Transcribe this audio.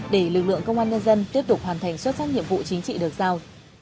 để lực lượng công an nhân dân tiếp tục hoàn thành xuất sắc nhiệm vụ chính trị được giao